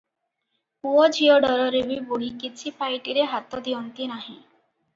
ପୁଅ ଝିଅ ଡରରେ ବି ବୁଢ଼ୀ କିଛି ପାଇଟିରେ ହାତ ଦିଅନ୍ତି ନାହିଁ ।